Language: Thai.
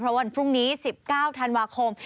วันพรุ่งนี้๑๙ธันวาคม